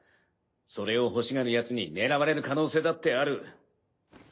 それを欲しがるヤツに狙われる可能性だってある。